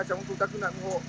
trong công tác cứu hộ